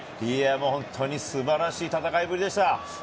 本当に素晴らしい戦いぶりでした。